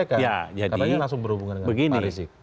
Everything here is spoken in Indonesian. karena ini langsung berhubungan dengan pak rizik